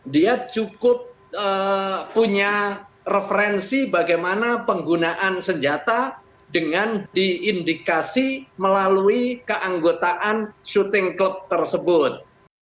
dia cukup punya referensi bagaimana penggunaan senjata dengan diindikasi melalui keanggotaan syuting klub tersebut